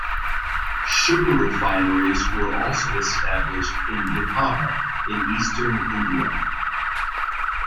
Sugar refineries were also established in Bihar, in eastern India.